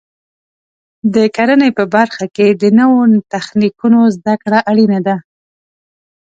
د کرنې په برخه کې د نوو تخنیکونو زده کړه اړینه ده.